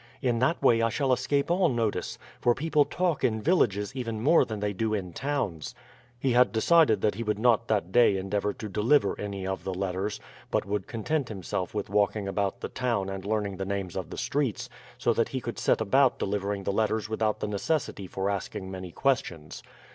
In that way I shall escape all notice, for people talk in villages even more than they do in towns." He had decided that he would not that day endeavour to deliver any of the letters, but would content himself with walking about the town and learning the names of the streets, so that he could set about delivering the letters without the necessity for asking many questions.